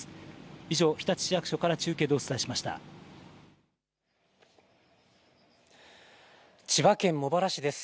以上、日立市役所から中継でお伝千葉県茂原市です。